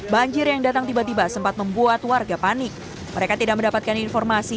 banjir yang datang tiba tiba sempat membuat warga panik mereka tidak mendapatkan informasi